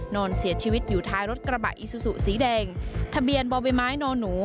นอนเสียชีวิตอยู่ท้ายรถกระบะอิซูซูสีแดงทะเบียนบ่อใบไม้นอนหนู